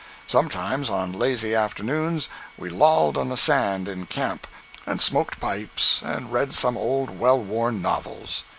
Sometimes, on lazy afternoons, we lolled on the sand in camp, and smoked pipes and read some old well worn novels.